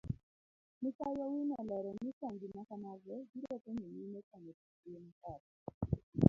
Mikai owino olero ni tangi makamago biro konyo mine kano pii eyo makare.